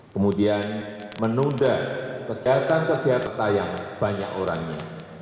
kemudian menunda kegiatan kegiatan yang banyak orangnya